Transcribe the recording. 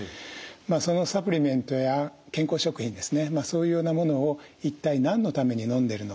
そのサプリメントや健康食品ですねそういうようなものを一体何のためにのんでるのか。